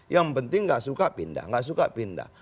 yang penting nggak suka pindah gak suka pindah